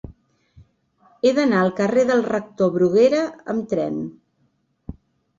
He d'anar al carrer del Rector Bruguera amb tren.